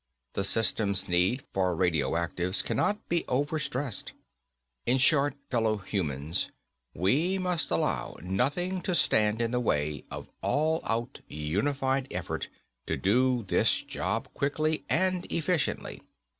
The system's need for radioactives cannot be overstressed._ _In short, fellow humans, we must allow nothing to stand in the way of all out, unified effort to do this job quickly and efficiently.